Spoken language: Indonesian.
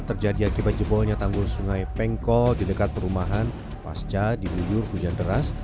terjadi akibat jebolnya tanggul sungai pengkol di dekat perumahan pasca diguyur hujan deras